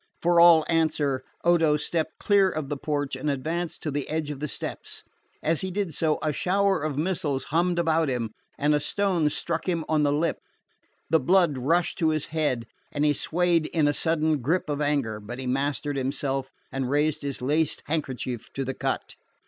For all answer, Odo stepped clear of the porch and advanced to the edge of the steps. As he did so, a shower of missiles hummed about him, and a stone struck him on the lip. The blood rushed to his head, and he swayed in the sudden grip of anger; but he mastered himself and raised his lace handkerchief to the cut.